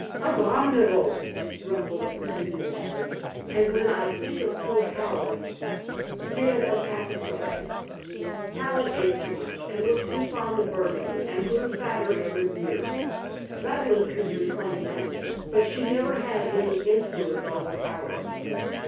"Abominable!" rumbled Mrs. Abbott. "And when I think of poor Howard dead of apoplexy " "Howard ate too much, was too fond of Burgundy, and grew fatter every year. Madeleine could reclaim Masters, but she never had any influence over Howard."